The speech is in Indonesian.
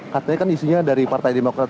katanya kan isinya dari partai demokrat